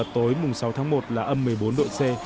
tối mùng sáu tháng một là âm một mươi bốn độ c